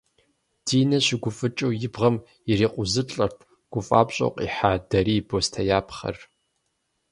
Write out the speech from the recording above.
Динэ щыгуфӏыкӏыу и бгъэм ирикъузылӏэрт гуфӏапщӏэу къихьа дарий бостеяпхъэр.